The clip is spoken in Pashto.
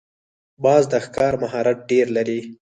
باز د ښکار مهارت ډېر لري